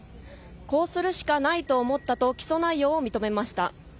こうするしかないと思ったと起訴内容を認めました。